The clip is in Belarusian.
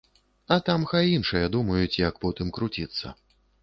А там хай іншыя думаюць, як потым круціцца.